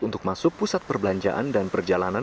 untuk masuk pusat perbelanjaan dan perjalanan